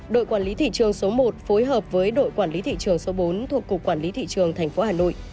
đội quản lý thị trường số một phối hợp với đội quản lý thị trường số bốn thuộc cục quản lý thị trường tp hà nội